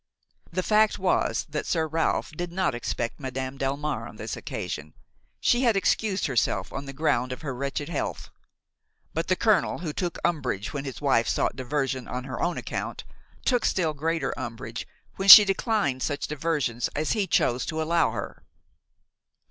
The fact was that Sir Ralph did not expect Madame Delmare on this occasion; she had excused herself on the ground of her wretched health. But the colonel, who took umbrage when his wife sought diversion on her own account, took still greater umbrage when she declined such diversions as he chose to allow her.